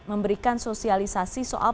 memberikan sosialisasi soal protokolnya